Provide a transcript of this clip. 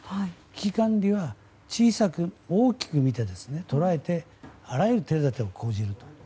危機管理は大きく捉えてあらゆる手立てを講じると。